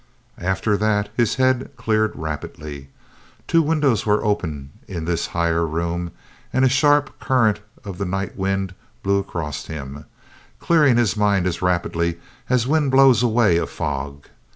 After that his head cleared rapidly. Two windows were open in this higher room, and a sharp current of the night wind blew across him, clearing his mind as rapidly as wind blows away a fog.